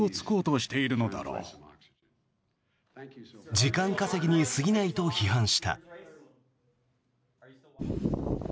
時間稼ぎに過ぎないと批判した。